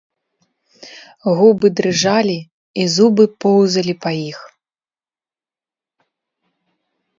Губы дрыжалі і зубы поўзалі па іх.